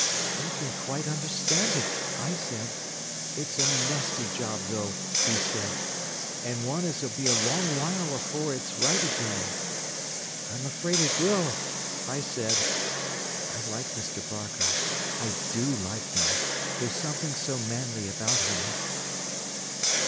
'I can quite understand it,' I said. 'It's a nasty job, though,' he said, 'an' one as'll be a long while afore it's right again.' 'I'm afraid it will,' I said. I like Mr. Barker—I do like him. There's something so manly about him."